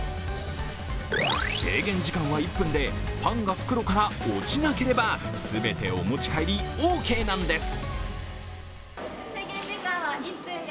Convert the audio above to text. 制限時間は１分で、パンが袋から落ちなければ全てお持ち帰りオーケーなんです。